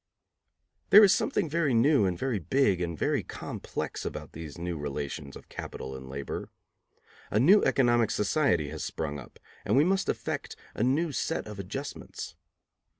There is something very new and very big and very complex about these new relations of capital and labor. A new economic society has sprung up, and we must effect a new set of adjustments.